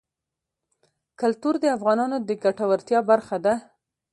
کلتور د افغانانو د ګټورتیا برخه ده.